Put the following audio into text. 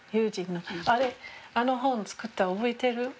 あれあの本作ったの覚えてる？